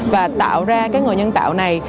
và tạo ra cái người nhân tạo này